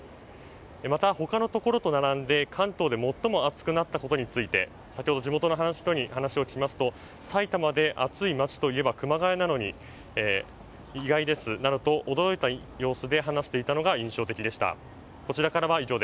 また他のところと並んで関東で最も暑くなったことについて先ほど、地元の人に話を聞くと埼玉で暑い街といえば熊谷なのに意外ですなどと驚いた様子で話していたのが印象的でした。